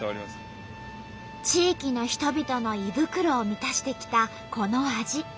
地域の人々の胃袋を満たしてきたこの味。